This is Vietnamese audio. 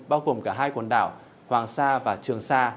bao gồm cả hai quần đảo hoàng sa và trường sa